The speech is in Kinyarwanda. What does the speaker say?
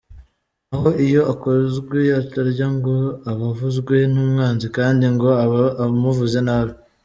Naho iyo akozwe atarya, ngo aba avuzwe n’umwanzi kandi ngo aba amuvuze nabi.